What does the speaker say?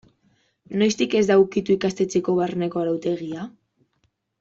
Noiztik ez da ukitu ikastetxeko barneko arautegia?